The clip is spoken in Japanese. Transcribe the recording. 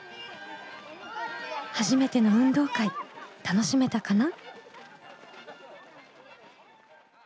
初めての運動会楽しめたかな？